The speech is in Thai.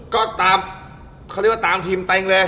ก็ตามเขาเรียกว่าตามทีมเต็งเลย